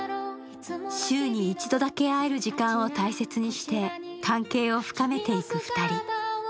週に一度だけ会える時間を大切にして関係を深めていく２人。